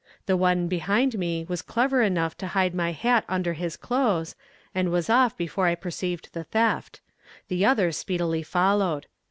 The one behind me was clever enough to hide my hat under his clothes, and was off before I perceived the theft; the other speedily followed.